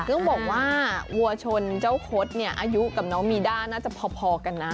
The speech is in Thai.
ต้องบอกว่าวัวชนเจ้าคดเนี่ยอายุกับน้องมีด้าน่าจะพอกันนะ